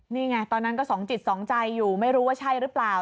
นี่ไงตอนนั้นก็สองจิตสองใจอยู่ไม่รู้ว่าใช่หรือเปล่า